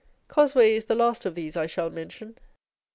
Cosway is the last of these I shall mention.